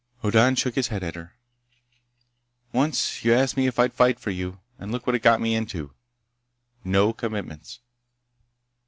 Hoddan shook his head at her. "Once you asked me if I'd fight for you, and look what it got me into! No commitments."